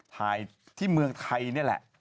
ถ่ายที่เมืองไทยนี่แหละ